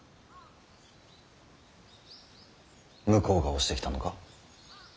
向こうが押してきたのか。